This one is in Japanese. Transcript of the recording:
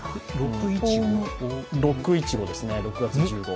６１５ですね、６月１５。